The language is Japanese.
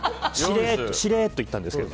しれっと言ったんですけど。